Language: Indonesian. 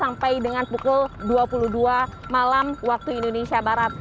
sampai dengan pukul dua puluh dua malam waktu indonesia barat